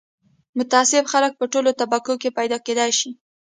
متعصب خلک په ټولو طبقو کې پیدا کېدای شي